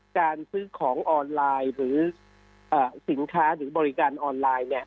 การซื้อของออนไลน์หรือสินค้าหรือบริการออนไลน์